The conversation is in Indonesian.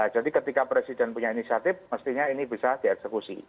jadi ketika presiden punya inisiatif mestinya ini bisa dieksekusi